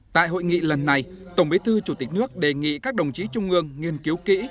tại hội nghị lần này tổng bí thư chủ tịch nước đề nghị các đồng chí trung ương nghiên cứu kỹ